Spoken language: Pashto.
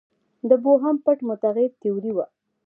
د بوهم پټ متغیر تیوري وه.